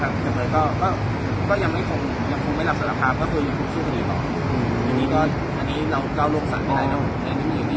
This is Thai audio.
แล้วก็จะแบบไม่ต้องมาส่งจ่ายเงินสักบาทด้วยแต่เผื่อเนี้ยตั้งแต่ตั้งแต่ว่าที่คนด่าจะถูกนับแบบเนี้ย